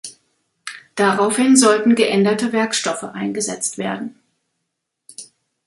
Daraufhin sollten geänderte Werkstoffe eingesetzt werden.